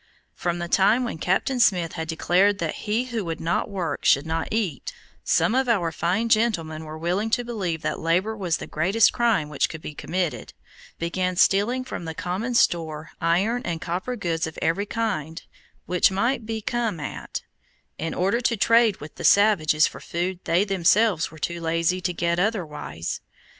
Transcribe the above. From the time when Captain Smith had declared that he who would not work should not eat, some of our fine gentlemen who were willing to believe that labor was the greatest crime which could be committed, began stealing from the common store iron and copper goods of every kind which might be come at, in order to trade with the savages for food they themselves were too lazy to get otherwise.